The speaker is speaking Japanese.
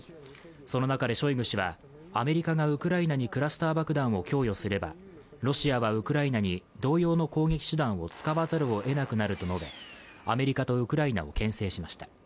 その中でショイグ氏は、アメリカがウクライナにクラスター爆弾を供与すればロシアはウクライナに同様の攻撃手段を使わざるをえなくなると述べ、アメリカとウクライナをけん制しました。